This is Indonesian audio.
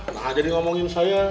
nah jadi ngomongin saya